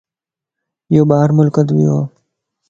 يو ٻار ملڪت ويووَ